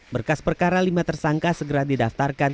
berkas perkara lima tersangka segera didaftarkan